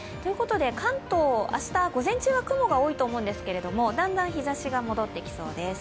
関東は明日午前中は雲が多いと思うのですが、だんだん日ざしが戻ってきそうです。